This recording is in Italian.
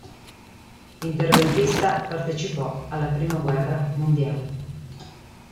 Interventista, partecipò alla prima guerra mondiale.